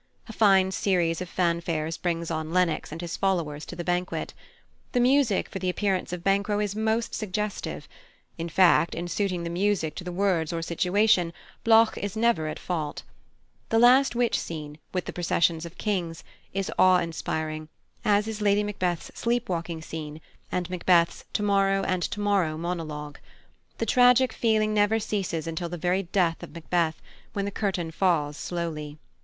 A fine series of fanfares brings on Lennox and his followers to the banquet. The music for the appearance of Banquo is most suggestive; in fact, in suiting the music to the words or situation Bloch is never at fault. The last Witch scene, with the procession of kings, is awe inspiring, as is Lady Macbeth's sleep walking scene and Macbeth's "to morrow and to morrow" monologue. The tragic feeling never ceases until the very death of Macbeth, when the curtain falls slowly.